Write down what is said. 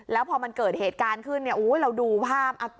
แล้วพอมันเกิดเหตุการณ์ขึ้นเนี่ยโอ้ยเราดูภาพ